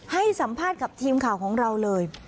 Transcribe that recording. ให้สัมภาษณ์กับทีมข่าวของเราเลย